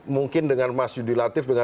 mungkin dengan mas yudi latif dengan